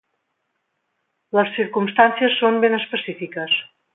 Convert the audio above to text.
Les circumstàncies són ben específiques.